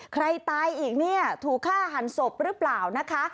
ใครตายอีกเนี่ยถูกฆ่าหันศพหรือเปล่านะคะ